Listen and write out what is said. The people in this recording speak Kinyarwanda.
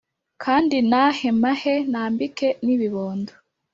Kandi ntahe mpahe Nambike n’ibibondo